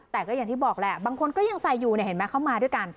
แต่ก็อย่างที่บอกแหละบางคนก็ยังใส่อยู่เนี่ยเห็นไหมเขามาด้วยกัน